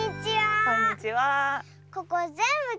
ここぜんぶ